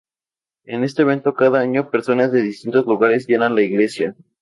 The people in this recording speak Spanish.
En este evento cada año personas de distintos lugares llenan la iglesia.